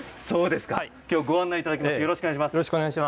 きょうはご案内いただきます。